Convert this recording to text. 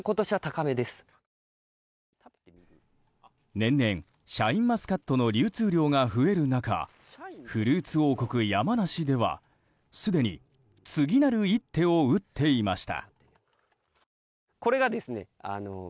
年々シャインマスカットの流通量が増える中フルーツ王国・山梨ではすでに、次なる一手を打っていました。